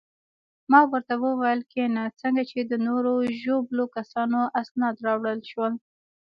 ما ورته وویل: کښېنه، څنګه چې د نورو ژوبلو کسانو اسناد راوړل شول.